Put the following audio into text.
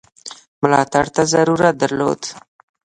ملاتړ ته ضرورت درلود.